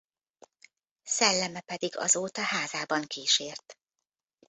Szelleme pedig azóta házában kísért.